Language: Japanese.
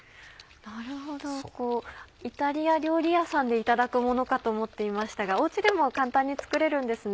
なるほどイタリア料理屋さんでいただくものかと思っていましたがお家でも簡単に作れるんですね。